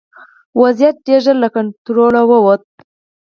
وضعیت ډېر ژر له کنټروله ووت.